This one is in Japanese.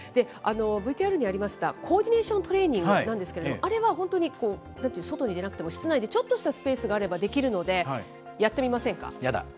ＶＴＲにありましたコーディネーショントレーニングなんですけれども、あれは本当に外に出なくても、室内でちょっとしたスペースがあればできるので、やってみませんか？